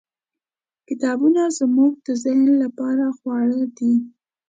. کتابونه زموږ د ذهن لپاره خواړه دي.